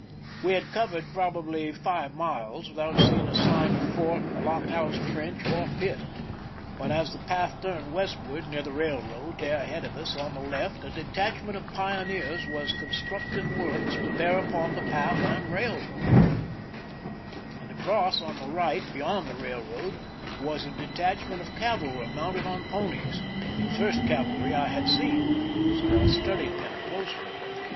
We had covered probably five miles without seeing a sign of fort, blockhouse, trench, or pit; but as the path turned westward, near the railroad, there ahead of us, on the left, a detachment of pioneers was constructing works to bear upon the path and railroad ; and across on the right, beyond the railroad, was a detachment of cavalry mounted on ponies— the first cavalry I had seen, so I studied them closely.